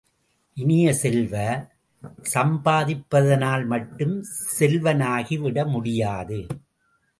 இனிய செல்வ, சம்பாதிப்பதனால் மட்டும் செல்வனாகிவிட முடியாது!